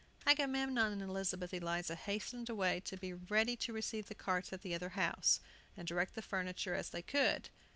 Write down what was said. Agamemnon and Elizabeth Eliza hastened away to be ready to receive the carts at the other house, and direct the furniture as they could.